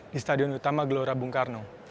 di stadion utama gelora bung karno